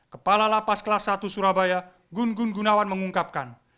kepala lapas kelas satu surabaya gun gun gunawan mengungkapkan